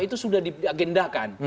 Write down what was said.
itu sudah diagendakan